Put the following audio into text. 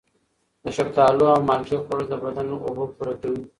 د شفتالو او مالټې خوړل د بدن اوبه پوره کوي.